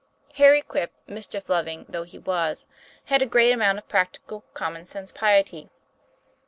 Harry Quip, mischief loving though he was, had a great amount of practical, common sense piety.